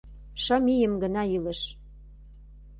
Шым ийым гына илыш.